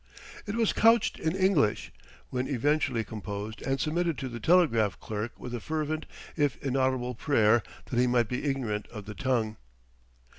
It was couched in English, when eventually composed and submitted to the telegraph clerk with a fervent if inaudible prayer that he might be ignorant of the tongue.